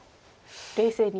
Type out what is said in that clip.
冷静に。